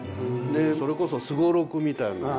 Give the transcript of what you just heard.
それこそすごろくみたいな。